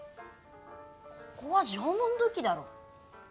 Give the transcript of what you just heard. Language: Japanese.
ここは縄文土器だろ。はあ？